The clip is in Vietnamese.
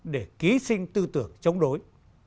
để ký sinh tư tưởng chống đối